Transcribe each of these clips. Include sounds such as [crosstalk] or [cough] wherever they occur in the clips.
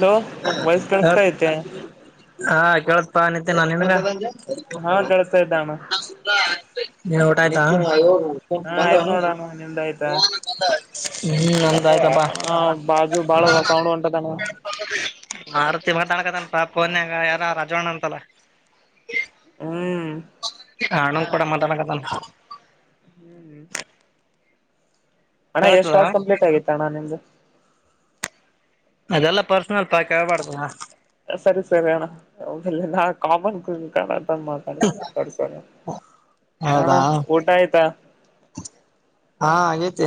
Hello ವಯಸ್ ಕಾಣಿಸ್ತಾ ಐತೆ ಹಾ ಕೇಳತ್ಪ್ಪಾ ಅನ್ತ್ತ ನಾ ನಿನ್ಗ ಹಾ ಕಳಿಸತಾ ಇದ್ದಾನ್ಣ ಊಟ ಆಯ್ತಾ ಹಾ ಬಂದ ಆಯ್ತ್ ಹ್ಮ್ ನೋಡಣ ನಿಮ್ದ ಆಯ್ತಾ ಆಯ್ತಪ್ಪಾ ಹ ಬಾಜು ಬಾಳ ಹೊ ಸೌಂಡ್ ಉಂಟತನ ಆ ರತಿ ಮಾತಾಡ್ಕದಂತ ಪನ್ಯಂಗ ಯಾರ ರಾಜವಣ್ಣ ಅಂತಲ್ಲ ಹ್ಮ್ ಹಣಂಗ್ ಕೂಡ ಮಾತಾಡದಂತ ಹ್ಮ್ ಹಣ ಎಷ್ಟು ಕೇಳ್ತದ ಕಾಸ್ ಕಂಪ್ಲೀಟ್ ಆಗಿತ ನಿಮ್ದು ಅದೆಲ್ಲಾ ಪರ್ಸನಲ್ ಪಾಕ್ ಹಳ್ಬಾರ್ದ ಸರಿ ಸರಿ ಅಣ್ಣ ನಾ ಕಾಮನ್ ಕತಂದ ಮಾ ಕಡ್ಸ ಹಣ ಹೌದಾ ಊಟ ಆಯ್ತಾ ಹಾ ಹಾಗೇತೆ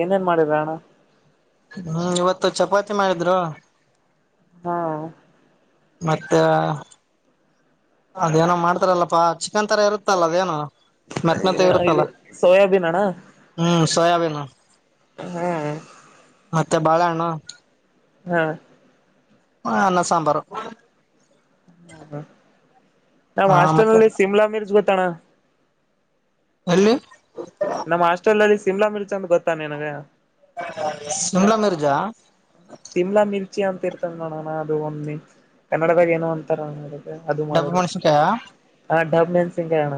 ಏನೇನ್ ಮಾಡಿದ್ರ ಅಣ್ಣ ಹ್ಮ್ ಇವತ್ತು ಚಪಾತಿ ಮಾಡಿದ್ರು ಹಾ ಮತ್ತ ಅದೇಏನೋ ಮಾಡ್ತಾರಲ್ಲಪ್ಪಾ ಚಿಕನ್ ತರಾ ಇರುತ್ತಲ್ಲ ಅದೇನೋ ಇದು ಸೋಯಾಬೀನ್ ಅಣ್ಣ ಹ್ಮ್ ಸೋಯಾಬೀನು. ಹಾ. ಮತ್ತೆ ಬಾಳೆ ಹಣ್ಣು. ಹಾ. ಹ ಅನ್ನ ಸಾಂಬಾರು. ಹ್ಮ ನಾವ್ ಹ ಮತ್ತೆ ಹಾಸ್ಟೆಲ್ಲ್ಲಿ ಸಿಮ್ಲಾ ಮೀರ್ಜ ಗೊತ್ತಣ. ಎಲ್ಲಿ. ನಮ್ಮ್ ಹಸ್ಟೆಲ್ ನಲ್ಲಿ ಸಿಮ್ಲಾ ಮಿರ್ಜಾ ಅಂತ ಗೊತ್ತಾ ನಿನಗೆ. ಸಿಮ್ಲಾ ಮಿರ್ಜಾ. ಸಿಮ್ಲಾ ಮಿರ್ಚಿ ಅಂತ ಇರ್ತಂಗ ನೋಡಣ್ಣ ಅದು ಒಮ್ಮೆ ಕನ್ನಡದಾಗ್ ಏನೊ ಅಂತಾರಣ ಅದು. ಅದು ಡಬ್ಬು ಮಾಡರೆ ಮೆಣಸಿನ್ಕಾಯ ಹ ಡಬ್ ಮೆಣಸಿನಕಾಯಣ.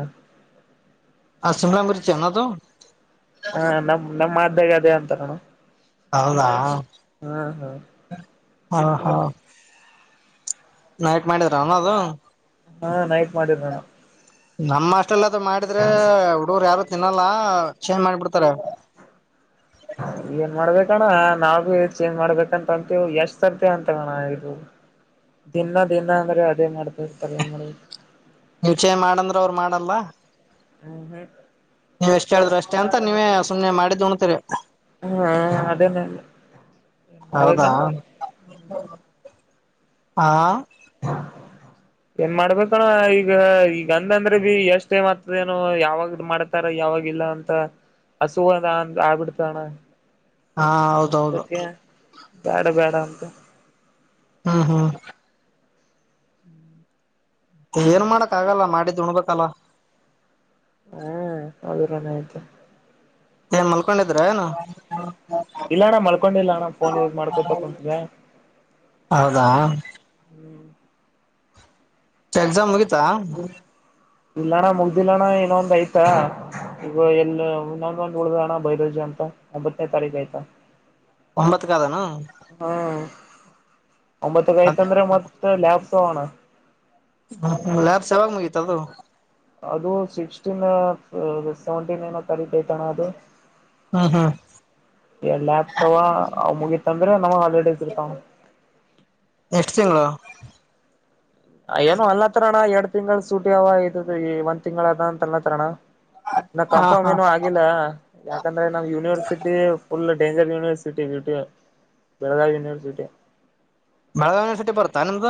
ಹ ಶಿಮ್ಲಾ ಮಿರ್ಚಿ ಏನದು. ಹಾ ನಮ್ ನಮ್ಮ ಹಾಡ್ಯಾಗ್ ಅದೇ ಅಂತಾರಣ. ಹೌದಾ ಹಾ ಹ ನೈಟ್ ಮಾಡಿದ್ರಣ ಅದು. ಹಾ ನೈಟ್ ಮಾಡಿರಣ. ನಮ್ಮ್ ಹಾಸ್ಟೆಲ್ ಅದು ಮಾಡಿದ್ರೆ ಹುಡುಗ್ರು ಯಾರು ತಿನ್ನಲ್ಲ ಚೇಂಜ್ ಮಾಡ್ ಬಿಡ್ತಾರೆ. ಏನ್ ಮಾಡ್ಬೇಕಣ್ಣ ನಾವ್ ಬಿ ಎಕ್ಸ್ಚೇಂಜ್ ಮಾಡ್ಬೇಕಂತ ಅಂತೇವು ಎಷ್ಟಸರ್ತಿ ಅಂತವಣ್ಣ ಇದು. [inaudible] ದಿನ ದಿನಾ ಅಂದ್ರೆ ಅದೇ ಮಾಡ್ತಿರ್ತಾರೆ ಏನ್ ಮಾಡೋದು. ನೀವ್ ಚೇಂಜ್ ಮಾಡಂದ್ರೆ ಅವ್ರು ಮಾಡಲ್ಲ. ಊ ಹ್ಮ್ ನೀವ್ ಎಷ್ಟ್ ಹೇಳಿದ್ರು ಅಷ್ಟೇ ಅಂತ ನೀವೇ ಸುಮ್ಮ್ನೆ ಮಾಡಿದ್ದು ಉಣ್ತೀರಿ. ಹ್ಮ ಹ್ಮ್ ಅದನೆಲ್ ಏನ್ ಮಾಡ್ಬೇಕಣ. ಆ ಏನ್ ಮಾಡ್ಬೇಕಣ ಈಗ ಈಗ ಅಂದಂದ್ರೆ ಬಿ ಎಷ್ಟೇ ಮತ್ತದ ಏನೋ ಯಾವಾಗದ್ ಮಾಡ್ ತರ ಯಾವಾಗಿಲ್ಲ ಅಂತ ಹಸು ಅದ್ ಆಬಿಡ್ತಣ್ಣ. ಹಾ ಹೌ ದಕ್ಕೆ ಬ್ಯಾಡ್ ಬ್ಯಾಡ ಅಂತ. ಹ್ಮ್ ಹ್ಮ್ ಹ್ಮ್ ಏನ್ ಮಾಡಕ್ ಆಗಲ್ಲ ಮಾಡಿದ್ದುಣ್ಬೇಕಲ್ಲ. ಹಾ ಅದು ನೀನ್ ಹೇಳ್ತಿಯ. ಏನ್ ಮಲ್ಕೊಂಡಿದ್ರ ಏನು ಇಲ್ಲ ಅಣ್ಣ ಮಲ್ಕೊಂಡಿಲ್ಲ ಅಣ್ಣ ಫೋನ್ ಯೂಸ್ ಮಾಡ್ಕೊತ ಕುಂತಿದ್ದೆ. ಹೌದಾ. ಹ್ಮ್ ಚ್ ಎಕ್ಸಾಮ್ ಮುಗಿತಾ. ಇಲ್ಲಣ್ಣ ಮುಗ್ದಿಲ್ಲಣ್ಣ ಇನ್ನೊಂದ್ ಐತೆ. ಈಗ ಎಲ್ಲ ಇನ್ನೊಂದು ಉಳಿದದ್ ಅಣ್ಣ ಬಯೊಲಾಜಿ ಅಂತ ಒಂಬತ್ತನೇ ತಾರೀಕು ಐತ. ಒಂಬತ್ತು ಕಾದನೋ ಹ್ಮ್ ಒಂಬತ್ತಕೈತಂದ್ರೆ ಮತ್ತೆ ಲ್ಯಾಬ್ಸ ಅವಣ್ಣ. ಹ್ಮ ಹ್ಮ್ ಲ್ಯಾಬ್ಸ್ ಯವಾಗ್ ಮುಗೀತದು. ಅದು ಸಿಕ್ಸ್ಟೀನ್ ಸೆವೆಂಟೀನ್ ಏನೋ ಕರಿತೈತಣ್ಣ ಅದು. ಹ್ಮ್ ಹ್ಮ್ ಏ ಲ್ಯಾಬ್ಸ್ ಅವ ಅವ್ ಮುಗಿತಂದ್ರೆ ನಮಗ್ ಹಾಲಿಡೇಸ್ ಇರ್ತಾವಣ. ಎಷ್ಟು ತಿಂಗಳು ಏನು ಅನ್ಲತಾರಣ್ಣ ಎರಡ್ ತಿಂಗಳು ಸೂಟಿ ಅವ ಇದ ಈ ಒಂದ್ ತಿಂಗಳ ಅದ ಅಂತ ಅನ್ನತ್ತಾರಣ. ನ ಹ ಕಂಫಾರ್ಮ್ ಹಾ ಏನು ಆ ಇಲ್ಲಾ ಯಾಕಂದ್ರೆ ನಮ್ university full danger university V T U. Belagavi university. Belgaum university ಬರ್ತಾ ನಿಮ್ಗ.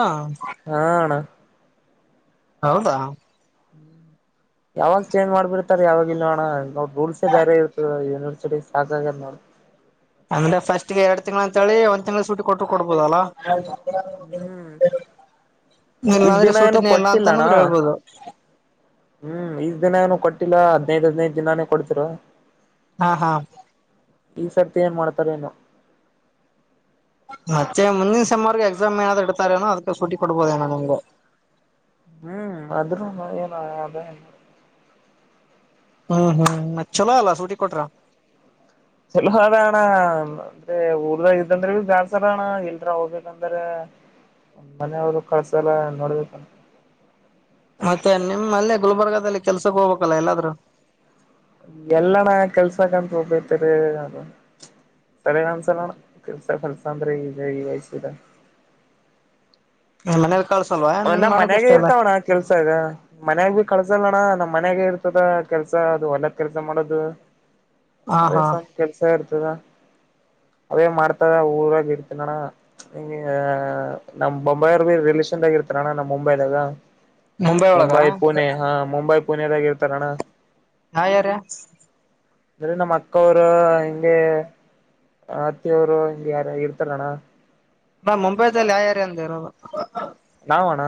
ಹಾ ಅಣ್ಣ ಹೌದಾ ಯಾವಾಗ ಚೇಂಜ್ ಮಾಡ್ಬಿಡ್ತಾರೆ ಯಾವಾಗ ಇಲ್ಲ ಅಣ ನೋಡ್ ರೂಲ್ಸೇ ಬೇರೆ ಇರ್ತದೆ ಯೂನಿವರ್ಸಿಟಿಗ್ ಸಾಕಾಗ್ಯದ್ ನೋಡ್ ಅಂದ್ರೆ ಫಸ್ಟ್ ಎರಡ್ ತಿಂಗಳ ಅಂತಿ ಒಂದ್ ತಿಂಗಳ ಸೂಿ ಕೊಟ್ಟರು ಕೊಡ್ಬೋುದಲ್ಲಾ ಹ ಹ್ಮ್ ಈಸ್ ಇಲ್ಲಾಂದ್ರೆ ದಿನ ಏನು ಸೂಟಿನ ಎಲ್ಲಾ ಅಂತ ಕೊಟ್ಟಿಲ್ಲಣ್ಣ ನಂದ್ರೆ ಹೇಳ್ಬೋದು ಹ್ಮ್ ಈ್ ದಿನ ಏನನು ಕೊಟ್ಟಿಲ್ಲಾ ಹದ್ೈದ್ ಹದ್ನೈದು ದಿನನಾನೇ ಕೊಡ್ತಿರ ಹಾ ಹಾ ಈ ಸರ್ತಿ ಏನ್ ಮಾಡ್ತಾರ ಏನು ಮತ್ತೆ ಮುಂದಿನ ಸೆಮರ್ಗೆ ಎಸಾಮ್ ಏನಾದ್ ಇಡ್ತಾರೆೇನೋ ಅದಕ್ಕೆ ಸಟಿ ಕೊಡ್ಬೋದೇನ ನಿಮ್ಗ ಹ್ಮ್ ಆದ್ರೂ ಏನ ಅದೇ ಹ್ಮ್ ಹ್ಮ್ ಮತ್ ಚಲೋ ಅಲ್ಲ ಸೂಟಿ ಕೊಟ್ರ. ಚಲ ಅದಣ ಅಂದ್ರೆ ಊರ್ದ ಇದ್ದಂದ್ರೆ ಬಿ ಬ್ಯಾಡ್ಸರಣ ಇಲ್ರ ಹೋಗ್ಬೇಕಂದ್ರ ಮನೆಯವರು ಕಳ್ಸ ಎಲ್ಲಾ ನೋಡ್ಬೇಕ ಮತ್ತೆ ನಿಮ್ಮಲ್ಲೇ ಗುಲ್ಬರ್ಗದಲ್ಲಿ ಕೆಲ್ಸಕ್ಕೆ ಹೋಗ್ಬೇಕಲ್ಲಾ ಎಲ್ಲಾದ್ೂ ಎಲ್ಲಣ ಕೆಲ್ಸ ಕಂತೋಗಬತರಿ ಸ್ಥಳನ್ಸಲ ಕಲಸಾರ ವಯ ಮನೇಲಿ ಕಳ್ಸಲ್ವಾ ನಿಂಗ್ ನಮ್ ಮಾಡಕ್ ಮನ್ಯಾಗೆ ಇಷ್ಟ ಅಲ್ಲ ಇರ್ತಾವಣ್ಣ ಕೆಲ್ಸ ಅದ ಮನ್ಯಾಗ ಭ ಕಳ್ಸಲ್ಲ ಅಣ್ಣ ನಮ್ ಮನ್ಯಾಗ ಇರ್ತದ ಕೆಲ್ಸ ಅದು ಹೊಳ್ಳದ್ ಕೆಲ್ಸ ಮಾಡೋದು ಹಾ ಹಾ ಅದೇಸ ಕೆಲ್ಸ ಎಡ್ತದಾ ಅವದೇ ಮಾಡ್ತಾವ ಊರಾಗ ಇಡ್ತನಾನ ನಿ ನಮ್ ಬೊಂಬಾಯವರ್ ಭೀ ರಿಲಷನ್ಾಗ ಇರ್ತಾರಣ್ಣ ನಮ್ ಮುಂಬೈದಾಗ ಮುಂಬೈ ಪುಣೆ ಹಾ ಮುಂಬೈ ಪುಣೆದಾಗ ಇರ್ತಾರ ಅಣ್ಣ ಹಾ ಯಾರ ಅರೆ ನಮ್ಮ್ ಅಕ್ಕವರು ಹೆಿಂಗೆ ಅತ್ತಿಯವರು ಹ್ಗೆ ಯಾರ ಇರ್ತಲ್ಲಣ್ಣ ನಾ ಮುಂಬೈದಲ್ಲಿ ಯ ಯಾರ ಅಂದೇನು ನಾವಣ್ಣ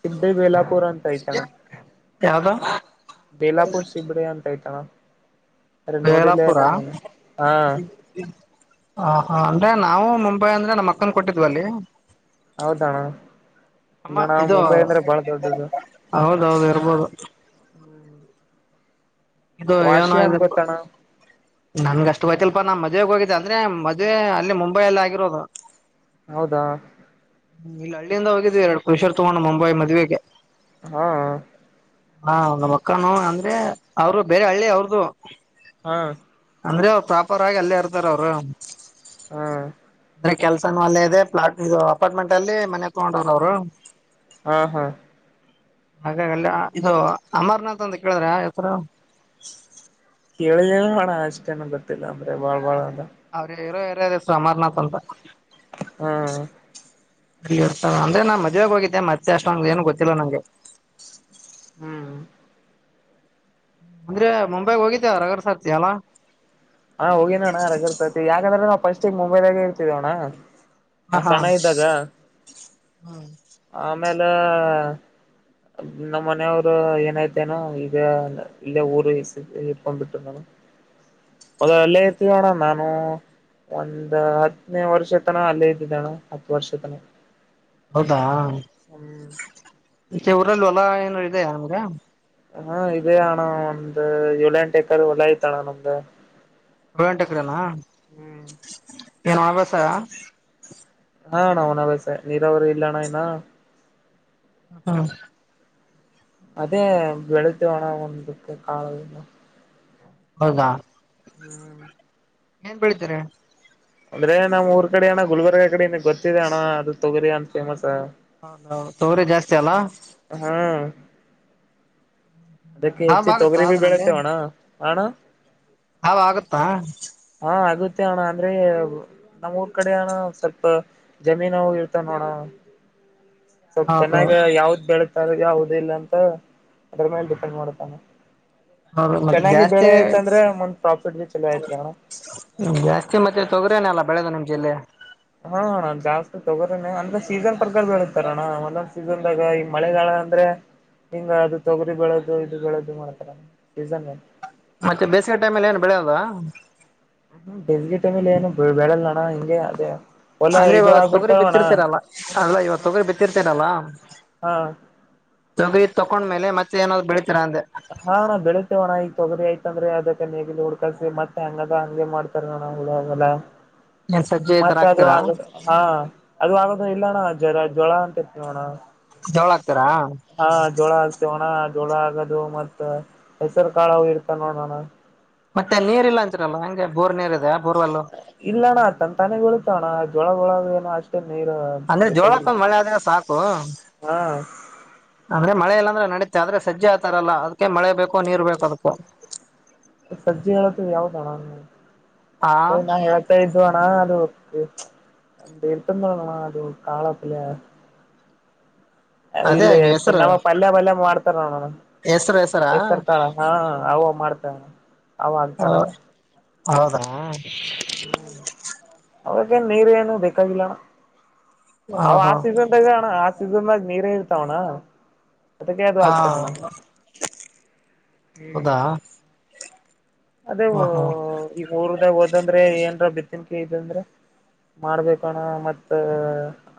ಸಿಬಿಬಳ್ಳಾಪುರ ಅಂತ ಐತಣ್ಣ ಯಾವ್ದ ಬೇಲಾಪುರ್ ಸಿಬಡಿ ಅಂತಯ್ತಾನ ಅರೆ ಬೇಲಾಪುರ ನೋಡಿಲಲ್ಲ ನ ಹಾ ಹ ಹಾ ಅಂದ್ರೆ ನಾವು ಮುಂಬೈ ಅಂದ್ರೆ ನಮ್ಮ ಅಕ್ಕನ್ ಕೊಟ್ಟಿದ್ವ ಅಲ್ಲಿ ಹೌದಣ್ಣ ಅಮ್ಮ ಇಣ ಇದು ಮುಂಬೈ ಅಂದ್ರೆ ಬಾಳ ದೊಡ್ಡದು ಹೌದೌದು ಇರ್ಬೋದು ಹ್ಮ್ ಇದು ಏನ ವಾಷಿ ಅನ್ ಇಪ್ಪ ಗೊತ್ತಣ ನನ್ಗ ಅಷ್ಟು ಗೊತ್ತಿಲ್ಲಪ್ಪ ನನ್ ಮದ್ವೆಗೆ ಹೋಗಿದ್ದೆ ಅಂದ್ರೆ ಮದ್ವೆ ಅಲ್ಲಿ ಮುಂಬೈ ಅಲ್ಲಿ ಆಗಿರೋದು. ಹೌದಾ ಇಲ್ಲಿ ಹಳ್ಳಿಯಿಂದ ಹೋಗಿದೀವಿ ಎರಡು ಪಷರ್ ತಗೊಂಡು ಮುಂಬಿ ಮದ್ವೆೆಗೆ ಹಾ ಹಾ ಒಂದು ಮಕ್ಕನು ಅಂದ್ರೆ ಅವರು ಬೇರೆ ಹಳ್ಳಿ ಅವ್ರದುು ಹಾ ಅಂದ್ರೆ ಅವ್ರು ಪ್ರಾಪರ್ ಆಗಿ ಅಲ್ಲೇ ಇರ್ತಾರ ಅವ್ರು ಹಾ ಅಂದ್ರೆ ಕೆಲ್ಸನನು ಅಲ್ಲೇ ಇದೆ ಫ್ಲಾಟ್ ಇದು ಅಪಾರ್ಟ್ಮೆಂಟ್ ಅಲ್ಲಿ ಮನೆ ತೊಗೊಂಡ್ ಅವ್ರು ಹಾ ಹಾ ಹಾಗಾಗಿ ಅಲ್ಲಿ ಇದು ಅಮರ್ನಾಥ್ ಅಂತ ಕೇಳಿದ್ರ ಹೆಸರು ಕೇಳಿ ಹಣ ಅಷ್ಟೇನ ಗೊತ್ತಿಲ್ಲ ಅಂದ್ರೆ ಬಾಳ್ ಬಾಳ ಅದ ಅವ್ರು ಇರೋ ಏರಿಯ ಹೆಸರು ಅಮರ್ನಾಥ್ ಅಂತ ಹಾ ಅಲ್ಲಿ ಇರ್ತ ಅಂದ್ರೆ ನಾನ್ ಮದ್ವೆೆಗೆ ಹೋಗಿದ್ದೆ ಮತ್ತೆ ಅಷ್ಟೊಂಗ ಏನು ಗೊತ್ತಿಲ್ಲ ನಂಗೆ ಹ್ಮ್ ಅಂದ್ರೆ ಮುಂಬೈಗ್ ಹೋಗಿದೇ ರಗರ್ ಸರ್ತಿ ಅಲ್ಲಾ ಹಾ ಹೋಗಿನನಣ ರಜೆರ್ತೈತಿ ಯಾಕಂದ್ರೆ ನಾವು ಸ್ಟಗ್ ಮುಂಬೈದಾಗೆ ಇರ್ತೀವಣ ಹಾ ಹಾ ಹ್ಮ್ ಆಮೇಲೆ ನಮ್ಮ್ ಮನೆಯವರು ಏನೈತೆನೋ ಈಗ ಇಲ್ಲೇ ಊರು ಇಟ್ಕೊಂಡ್ಬಿಟ್ಟು ಮೊದಲ ಎಲ್ಲ ತಿಯೋಣ ನಾನು ಒಂದ ಹತ್ತನೇ ವರ್ಷ ತನ ಅಲ್ಲೇ ಇದ್ದಿದ್ದಣ ಹತ್ತು ವರ್ಷ ತನ ಹೌದಾ ಹ್ಮ್ ಮೆ ಊರಲ್ಲಿ ಹೊಲಾ ಏನ ಇದೆಯಾ ನಮ್ಗ ಹ ಇದೇ ಅಣ್ಣ ಒಂದ್ ಏಳೆ ಎಂಟು ಎಕರ್ ಹೊಲ ಐತ ಅಣ್ಣ ನಮ್ದ ಗಂಟ ಕಡೆನಾ ಹ್ಮ್ ಏನ ಅಭ್ಯಾಸ ಹಾ ನಾ ಅವನಲ್ಸೆ ನೀರವರು ಇಲ್ಲಣ ನ ಹಾ ಅದೇ ಬೆಳತ ಹೋಣ ಒಂದಕ್ಕೆ ಕಾಲದಿಂದ ಬಗಾ ಹ್ಮ್ ಏನ್ ಬೆಳತರ ಅಂದ್ರೆ ನಮ್ ಊರ್ ಕಡೆ ಅಣ್ಣ ಗುಲ್ಬರ್ಗಾ ಕಡೆ ಇ ಗೊತ್ತಿದೆ ಅಣ ಅದು ತೊಗರಿ ಅಂತ ಫೇಮಸ್ ಹೌದ ತೊಗರೆ ಜಾಸ್ತಿ ಅಲ್ಲಾ ಹಾ ಅದಕ್ಕೆ ಲಾಭ ಹೆಚ್ಚಿ ಆಗುತ್ತಾ ತೊಗರಿ ಭೀ ಅದ್ರಲ್ಲಿ ಬೆಳತ್ತೇವಣ ಹಣ ಹ ಆಗುತ್ತಾ ಹಾ ಆಗುತ್ತೆ ಅಣ ಅಂದ್ರೆ ನಮ್ಮ್ ಊರ್ ಕಡೆ ಅಣ ಸ್ವಲ್ಪ ಜಮೀನು ಇರ್ತವ ನೋಡ ಸ್ವಲ್ಪ್ ಹೌದು ಚೆನ್ನಾಗ ಯಾವ್ದ್ ಬೆಳತಾರ ಯಾವದ ಇಲ್ಲ ಅಂತ ಅದ್ರ ಮೇಲೆ ಡಿಪೆಂಡ್ ಮಾಡತಾನ ಹೌದು ಮತ್ತೆ ಚೆನ್ನಾಗಿ ಜಾಸ್ತಿ ಬೆಳೆ ಆಯ್ತ ಅಂದ್ರೆ ಒಂದ್ ಪ್ರಾಫಿಟ್ ಬಿ ಚಲೋ ಆಯ್ತ ನಣ್ಣ ಹ್ಮ ಜಾಸ್ತಿ ಮತ್ತೆ ತೊಗ್ರೇನಲ್ಲ ಬೆಳೆದು ನಿಮ್ ಜಿಲ್ಲೆ ಹಾಣನ್ ಜಾಸ್ತಿ ತೊಗೋರನನೆ ಅಂದ್ರೆ ಸೀಸನ್ ಪ್ರಕಾರ ಬಳತಾರಣ್ಣ ಒಂದೊಂದ್ ಸೀಸನ್ದಾಗ ಈ ಮಳೆಗಾಲ ಅಂದ್ರೆ ಹಿಂಗ ಅದು ತೊಗರಿ ಬೆಳೆದು ಇದು ಬೆಳೆದು ಮಾಡ್ತಾರ ಸೀಸನ್ ಮತ್ತೆ ಬೇಸಿಗೆ ಟೈಮ್ಲ್ಲಿ ಏನು ಬೆಳೆಯೋದ ಬೆಲ್ಗೆ ಟೈಮೇಲೆ ಏನು ಬಳೆಲ್ಲ ನೋಡ ಹಿಂಗೆ ಅದೇ ಹೊಲ ಅಂದ್ರೆ ಇದು ಇವಾಗ ತೊಗರಿ ಆಗ್ಬಿಡ್ತಾವಣ್ಣ ಬಿತ್ತಿರ್ತಾರಲ್ಲ ಅಲ್ಲ ಇವಾಗ ತೊಗರಿ ಬಿತ್ತಿರ್ತಾರಲ್ಲ ಹಾ ತೊಗ್ರ ತಕೊಂಡ ಮೇಲೆ ಮತ್ತೆ ಏನಾದ್ರುಳಿತೀರ ಅಂದೆ ಹಾ ನ ಬೆಳೀತೇವಣ ಈಗ ತಗರಿ ಆಯ್ತ ಅಂದ್ರ ಅದಕ್ಕೇ ಹುಡ್ಕಸಿ ಮತ್ತೆ ಹಂಗದ ಹಂಗೆ ಮಾಡ್ ಉತ್ತಾಣಡಾಗಲ್ಲ ಏನ್ ಸಜ್ಜೆ ಈ ತರ ಮತ್ತೆ ಅದು ಹಾಕ್ತೀರಾ ಆಗದು ಹಾ ಅದು ಆಗದು ಇಲ್ಲಣ್ಣ ಜ್ವರ ಜ್ವಳ ಅಂತ ಇರ್ ತಿವೋಣ ಜವಳ ಹಾಕ್ತಾರಾ ಹಾ ಜೋಳ ಆಗ್ತೇವಣ್ಣ ಜೋಳ ಆಗೋದು ಮತ್ತ ಹೆಸರು ಕಾಳವು ಇರ್ತ ನೋಡೋಣ ಮತ್ತೆ ನೀರ್ ಇಲ್ಲ ಅಂಂತರಲ್ಲ ಹಂಗೆ ಬೋರ್ ನೀರ್ ಇದೆ ಬೋರ್ವಲ್ಲೂ ಇಲ್ಲಣ್ಣ ತನ್ ತಾನೆ ಉಳಿತಾವಣ್ಣ ಜೊಳಗೊಳಗ ಏನೋ ಅಷ್ಟೇ ನೀರು ಅಂದ್ರೆ ಜೋಳ ಹಕ್ ಬೇಕಾಗಿಲ್ಲ ಮಳೆ ಆದ್ರೆ ಸಾಕು ಹಾ ಅಂದ್ರೆ ಮಳೆ ಇಲ್ಲಾಂದ್ರೆ ನಡಿತೆ ಆದ್ರೆಜ್ಜ ಆಯತಾರಲ್ಲ ಅದ್ಕ್ಕೆ ಮಳೆ ಬೇಕು ನೀರ್ ಬೇಕು ಅದುಕೂ ಸಜ್ಜಿಗಳತ್ತ ಯಾವ್ದಣ ಆ ಇದುವಣ ಅದು ಅಂತ ಎಂತದೋ ಅಣ್ಣ ಅದು ಕಳ ಪಲ್ಯ ಅದೇ ಇಲ್ಲ ಇ ಹೆಸರು ನಮ್ಮ ಪಲ್ಯ ಪಲ್ಯ ಮಾಡ್ತಾರೆ ನೋಡೋಣ ಹೆಸರು ಹೆಸರಾ ಹೆಸರ್ತಾಳ ಹಾ ಅವ ಮಾಡ್ತಾಳ ಹ ಹೌದ ಹ್ಮ ಅವಕ್ಕನ್ ನೀರು ಏನು ಬೇಕಾಗಿಲ್ಲಣ ಹ ಅವ ಆ ಹಾ ಸೀಸನ್ ಾಗಣ್ಣ ಆ ಸೀಸನ್ ಆಗ ನೀರೇ ಇರ್ತಾವಣ್ಣ ಅದಕ್ಕೆ ಅದು ಹಾ ಆಗ್ತಾರಣ ಹ್ಮ್ ಹೌದಾ ಅದೇ ಹ ಹಾ ಈಗ ಊರ್ದಾಗ ಹೋದಂದ್ರೆ ಏನ್ರ ಬಿತ್ತನ್ಕ ಇದಂದ್ರ ಮಾಡ್ಬೇಕಣ ಮತ್ತ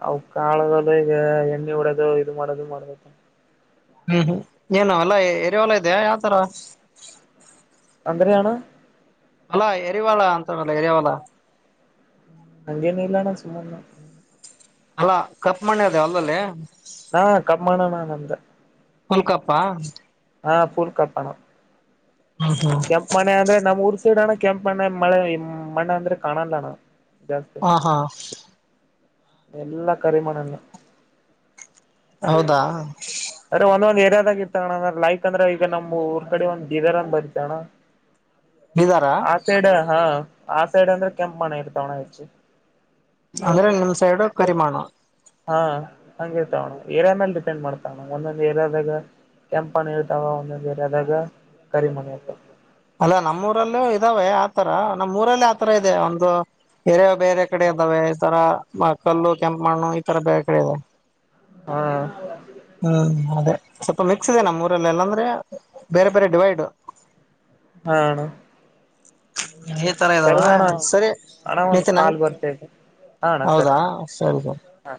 ಅ ಕಾಳದಲ್ಲೂ ಈಗ ಎಣ್ಣೆ ಉಡೋದು ಇದು ಮಾಡೋದು ಮಾಡ್ಬೇಕು ಹ್ಮ್ ಹ್ಮ್ ಏನು ಅಲ್ಲಾ ಎರಿವಲ ಇದೆಯ ಯಾವ ತರ ಅಂದರೆ ಅಣ್ಣ ಅಲ್ಲಾ ಎರಿವಾಳ ಅಂತಲ್ಲ ಎರಿವಾಳ ಅಂಗೆನ್ ಇಲ್ಲ ಅಣ್ಣ ಸುಮನೆ ಅಲ್ಲಾ ಕಪ್ಪು ಮಣ್ಣಿ ಅದ ಹೊಲ್ದಲ್ಲಿ ಹಾ ಕಮ್ಮಮ್ಮಣ ನಮ್ದು ಪುಲ್ ಕಪ್ಪ ಹಾ ಪುಲ್ ಕಪ್ಪ ಅಣ್ಣ ಹೌ ಹಾ ಕೆಂಪ್ ಮಣ್ಣಿ ಅಂದ್ರೆ ನಮ್ ಊರ್ ಸೈಡ್ ಅಣ್ಣ ಕೆಂಪ ಮಣ್ಣಿ ಮಳೆ ಮಣ್ಣು ಅಂದ್ರೆ ಕಾಣಲ್ಲಣ ಜಾಸ್ತಿ ಹ ಹಾ ಎಲ್ಲಾ ಕರಿಮಣ್ಣ ದೂ ಹೌದಾ ಅದೆ ಒಂದೊಂದ ಏರಿಯಾದಾಗ ಇತಣಂದ್ರ ಲೈಕ್ ಅಂದ್ರ ಈಗಮ್ ಊರ್ ಕಡೆ ಒಂದ ಗೀದರ್ಂದ ಬ ಚಣ ಬೀದರ ಆ ಸೈಡ್ ಹಾ ಆ ಸೈಡ್ ಅಂದ್ರೆ ಕೆಂಪ್ ಮಣ್ಣು ಇರ್ತಾವಣ ಹೆಚ್ಚು ಅಂದ್ರೆ ನಿಮ್ ಸೈಡು ಕರಿಮಣ್ಣು ಹಾ ಹಂಗ ಇರ್ತಾವಣ ಏರಿಯಾದ ಮೇಲೆ ಡಿಪೆಂಡ್ ಮಾಡ್ತಾವಣ್ಣ ಒಂದೊಂದ್ ಏರಿಯಾದಾಗ ಕೆಂಪು ಇರುತ್ತವೆ ಒಂದೊಂದು ಏರಿಯಾದಾಗ ಕರಿಮಣ್ಣು ಇರುತ್ತವೆ ಅಲ್ಲ ನಮ್ಮ್ ಊರಲ್ಲೂ ಇದಾವೆ ಆತರ ನಮ್ಮ್ ಊರಲ್ಲಿ ಆತರ ಇದೆ ಒಂದು ಬೇರೆ ಬೇರೆ ಕಡೆ ಇದ್ದಾವೆ ಈ ತರ ಕಲ್ಲು ಕೆಂಪು ಮಣ್ಣು ಈ ತರ ಬೇರೆ ಕಡೆ ಇದೆ ಹಾ ಹ್ಮ್ ಅದೇ ಸ್ವಲ್ಪ ಮಿಕ್ಸ್ ಇದೆ ನಮ್ಮೂರಲ್ಲ ಎಲ್ಲಾಂದ್ರೆ ಬೇರೆ ಬೇರೆ ಡಿವೈಡ್ ಹ ಅಣ್ಣ ಈ ತರ ಇದಾವ ಸರಿ ಅಣ್ಣ ಸರಿ ಅಣ್ಣ ಒಂದ ನಿತಿನ್ ಹಂಗ್ ಕಾಲ್ ಬರ್ತೇ ಅಣ್ಣ ಹೌದಾ ಸರಿ ಸರಿ ಹಾ